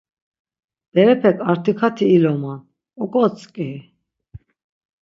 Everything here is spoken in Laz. Berepek artikati iloman, oǩotzǩi.